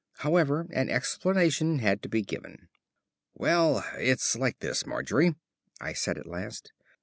However, an explanation had to be given. "Well, it's like this, Margery," I said at last.